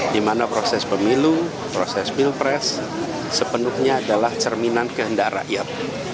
di mana proses pemilu proses pilpres sepenuhnya adalah cerminan kehendak rakyat